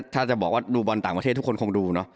ถ้าจะบอกว่าดูบอลต่างประเทศทุกคนคงดูเนอะ